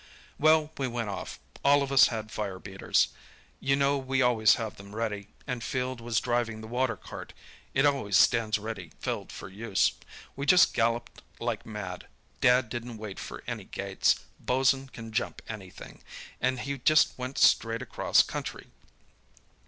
"Well, we went off. All of us had fire beaters. You know we always have them ready; and Field was driving the water cart—it always stands ready filled for use. We just galloped like mad. Dad didn't wait for any gates—Bosun can jump anything—and he just went straight across country.